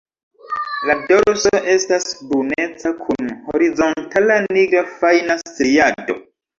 La dorso estas bruneca kun horizontala nigra fajna striado.